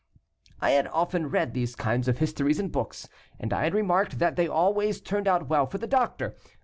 "I had often read these kinds of histories in books, and I had remarked that they always turned out well for the doctor.